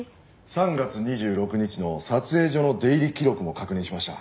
３月２６日の撮影所の出入り記録も確認しました。